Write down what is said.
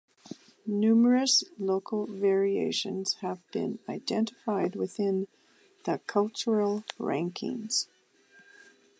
Numerous local variations have been identified within the cultural rankings.